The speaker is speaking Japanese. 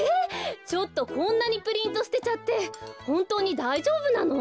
ちょっとこんなにプリントすてちゃってほんとうにだいじょうぶなの？